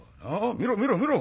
見ろ見ろ見ろ